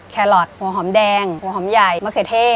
แคลอทหัวหอมแดงหัวหอมใหญ่มะเขือเท่